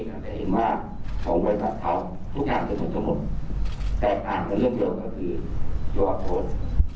ทุกอย่างจะหมดจะหมดแต่ขาดภารกิจเรื่องเดียวก็คือจบพวง